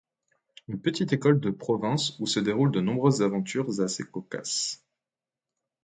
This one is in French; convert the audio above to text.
Une petite école de province où se déroulent de nombreuses aventures assez cocasses.